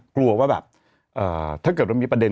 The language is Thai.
กลัวว่าแบบถ้าเกิดมันมีประเด็น